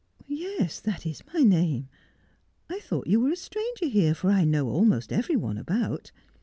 ' Yes, that is my name. I thought you were a stranger here, for I know almost every one about.